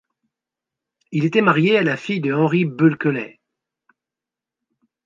Il était marié à la fille de Henry Bulkeley.